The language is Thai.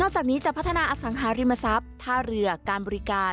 จากนี้จะพัฒนาอสังหาริมทรัพย์ท่าเรือการบริการ